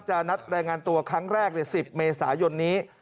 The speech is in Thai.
นัดรายงานตัวครั้งแรกใน๑๐เมษายนนี้